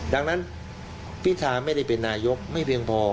ดังนั้นพิธาไม่ได้เป็นนายกไม่เพียงพอ